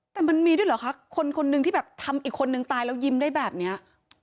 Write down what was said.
แต่มันมีด้วยเหรอคะคนคนหนึ่งที่แบบทำอีกคนนึงตายแล้วยิ้มได้แบบนี้